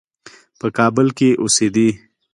په کابل کې اوسېدی.